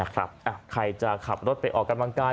ใครจะขับรถไปออกกำลังกาย